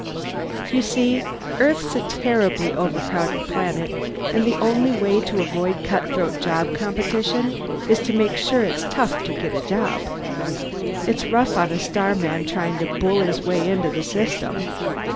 You see, Earth's a terribly overcrowded planet and the only way to avoid cutthroat job competition is to make sure it's tough to get a job. It's rough on a starman trying to bull his way into the system."